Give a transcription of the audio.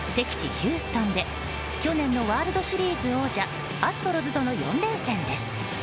ヒューストンで去年のワールドシリーズ王者アストロズとの４連戦です。